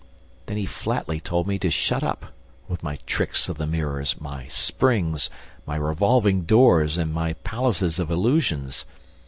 ..." Then he flatly told me to shut up, with my tricks of the mirrors, my springs, my revolving doors and my palaces of illusions!